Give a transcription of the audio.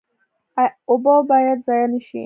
اوبه باید ضایع نشي